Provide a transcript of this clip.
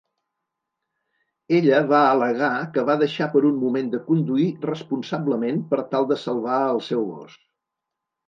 Ella va al·legar que va deixar per un moment de conduir responsablement per tal de salvar el seu gos.